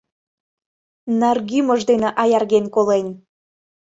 Наргӱмыж дене аярген колен!..